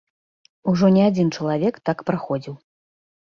Ужо не адзін чалавек так праходзіў.